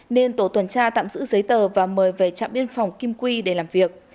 nên tổ tuần tra tạm giữ giấy tờ và mời về trạm biên phòng kim quy để làm việc